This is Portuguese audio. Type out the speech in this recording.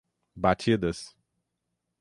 Batidas